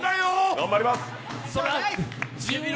頑張ります！